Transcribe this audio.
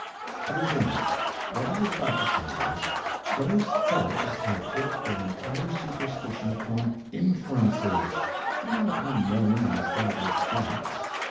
To resume. What I was about to say was, those thugs have built their entire superstition upon inferences, not upon known and established facts.